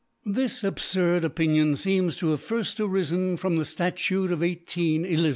This abfurd Opinion feems to have firfl: arifen from the Statute of 1 8 * Eliz.